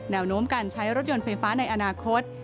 โน้มการใช้รถยนต์ไฟฟ้าในอนาคต